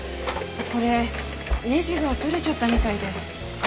これネジが取れちゃったみたいで。